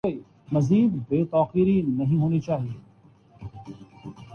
مصباح الحق کا نام تیز ترین ٹیسٹ سنچری بنانے والوںمیں شامل